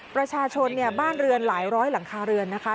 ประชาชนเนี่ยบ้านเรือนหลายร้อยหลังคาเรือนนะคะ